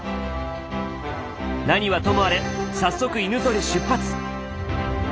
何はともあれ早速犬ゾリ出発。